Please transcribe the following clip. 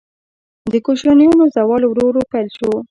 د کوشانیانو زوال ورو ورو پیل شو